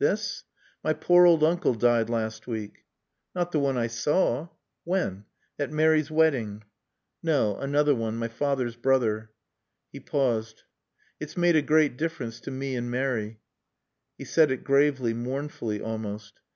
"This? My poor old uncle died last week." "Not the one I saw?" "When?" "At Mary's wedding." "No. Another one. My father's brother." He paused. "It's made a great difference to me and Mary." He said it gravely, mournfully almost.